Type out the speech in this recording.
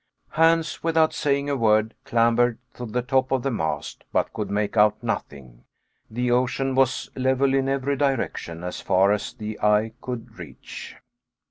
Hans, without saying a word, clambered to the top of the mast, but could make out nothing. The ocean was level in every direction as far as the eye could reach.